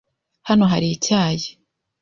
Hano hari icyayi.